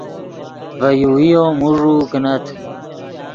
ڤے یوویو موݱوؤ کینت